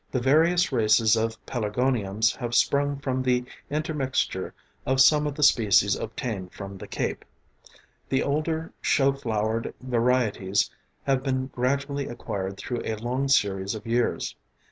The various races of pelargoniums have sprung from the intermixture of some of the species obtained from the Cape. The older show flowered varieties have been gradually acquired through a long series of years.